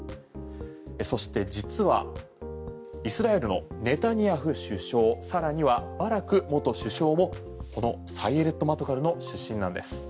そして実はイスラエルのネタニヤフ首相さらにはバラク元首相もこのサイェレット・マトカルの出身なんです。